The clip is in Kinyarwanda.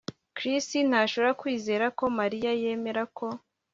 Chris ntashobora kwizera ko Mariya yemera ko